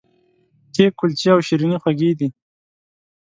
کیک، کلچې او شیریني خوږې دي.